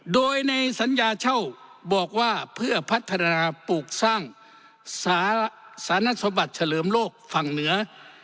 โดยในสัญญาเช่าบอกว่าเพื่อพัฒนาปลูกสร้างสารสมบัติเฉลิมโลกฝั่งเหนือ